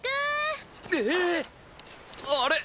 あれ？